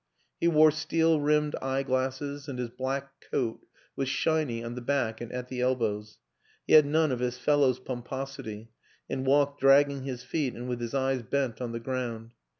He wore steel rimmed eye glasses and his black coat was shiny on the back and at the elbows; he had none of his fellow's pomposity, and walked dragging his feet and with his eyes bent on the ground.